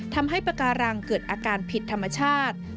ทำให้ปากการังเกิดอาการผิดธรรมชาติ